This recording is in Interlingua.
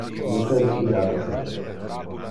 Io debe ir a dormir.